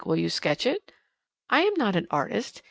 Will you sketch it?" "I am not an artist.